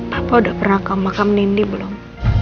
bapak udah pernah ke makam nindi belum